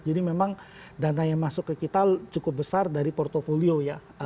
jadi memang dana yang masuk ke kita cukup besar dari portfolio ya